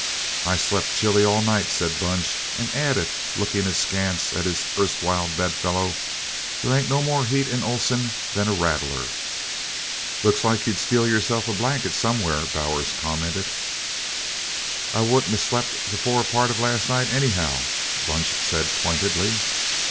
"I slept chilly all night," said Bunch, and added, looking askance at his erstwhile bed fellow, "They ain't no more heat in Oleson than a rattler." "Looks like you'd steal yurself a blanket somewhur," Bowers commented. "I wouldn't a slept the fore part of last night anyhow," Bunch said pointedly.